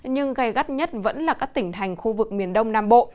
nhưng gây gắt nhất vẫn là các tỉnh thành khu vực miền đông nam bộ